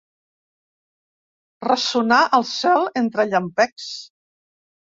Ressonar al cel entre llampecs.